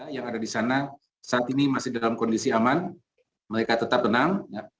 yang ada di sana saat ini masih dalam kondisi aman mereka tetap tenang